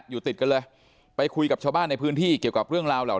อยู่ติดกันเลยไปคุยกับชาวบ้านในพื้นที่เกี่ยวกับเรื่องราวเหล่า